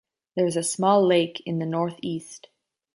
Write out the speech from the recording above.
There is a small lake in the north-east.